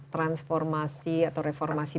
transformasi atau reformasi